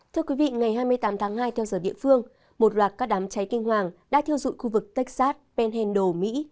thưa quý vị ngày hai mươi tám tháng hai theo giờ địa phương một loạt các đám cháy kinh hoàng đã thiêu dụi khu vực texas pental mỹ